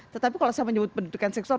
tetapi kalau saya menyebut pendidikan seksual